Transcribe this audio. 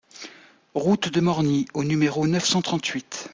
Route de Morgny au numéro neuf cent trente-huit